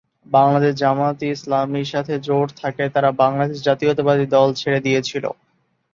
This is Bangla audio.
বাংলাদেশ জামায়াত-ই-ইসলামীর সাথে জোট থাকায় তারা বাংলাদেশ জাতীয়তাবাদী দল ছেড়ে দিয়েছিল।